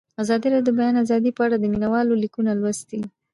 ازادي راډیو د د بیان آزادي په اړه د مینه والو لیکونه لوستي.